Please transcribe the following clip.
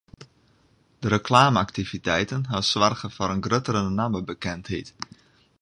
De reklame-aktiviteiten hawwe soarge foar in gruttere nammebekendheid.